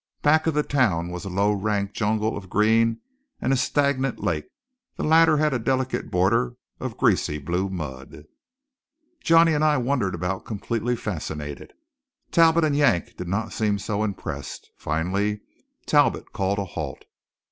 Back of the town was a low, rank jungle of green, and a stagnant lake. The latter had a delicate border of greasy blue mud. Johnny and I wandered about completely fascinated. Talbot and Yank did not seem so impressed. Finally Talbot called a halt.